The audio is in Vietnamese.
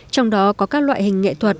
trong đó có các loại hình nghệ thuật